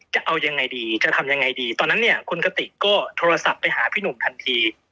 จะเอายังไงดีจะทำยังไงดีตอนนั้นเนี่ยคุณกติกก็โทรศัพท์ไปหาพี่หนุ่มทันที